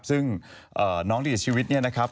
ซึ่งน้องที่เสียชีวิตเนี่ยนะครับ